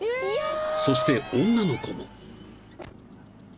［そして女の子も］